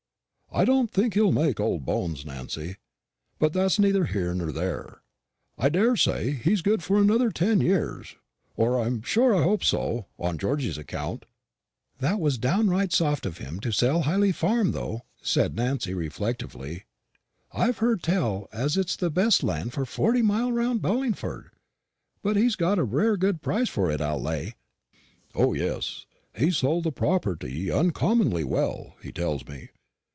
I don't think he'll make old bones, Nancy. But that's neither here nor there. I daresay he's good for another ten years; or I'm sure I hope so, on Georgy's account." "It was right down soft of him to sell Hyley Farm, though," said Nancy reflectively; "I've heard tell as it's the best land for forty mile round Barlingford. But he got a rare good price for it, I'll lay." "O, yes; he sold the property uncommonly well, he tells me.